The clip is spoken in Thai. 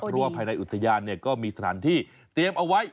เพราะว่าภายในอุทยานก็มีสถานที่เตรียมเอาไว้